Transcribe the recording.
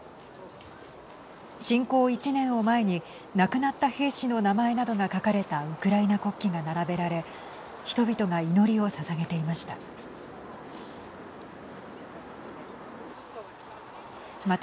侵攻１年を前に亡くなった兵士の名前などが書かれたウクライナ国旗が並べられ人々が祈りをささげていました。